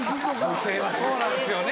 女性はそうなんですよね。